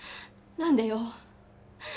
何でよ？